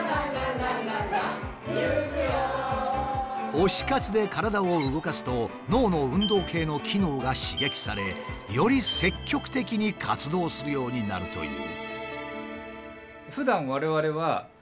推し活で体を動かすと脳の運動系の機能が刺激されより積極的に活動するようになるという。